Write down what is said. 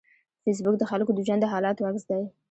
فېسبوک د خلکو د ژوند د حالاتو عکس دی